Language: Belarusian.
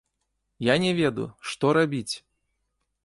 Я не ведаю, што рабіць?